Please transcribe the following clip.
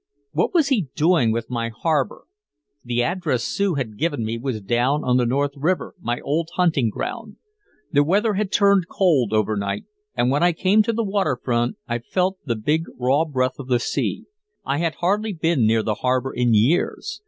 What was he doing with my harbor? The address Sue had given me was down on the North River, my old hunting ground. The weather had turned cold over night, and when I came to the waterfront I felt the big raw breath of the sea. I had hardly been near the harbor in years.